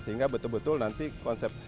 sehingga betul betul nanti konsep